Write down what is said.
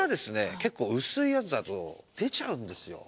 結構薄いやつだと出ちゃうんですよ。